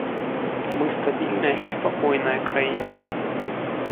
Мы стабільная і спакойная краіна.